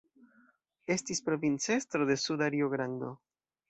Estis provincestro de Suda Rio-Grando.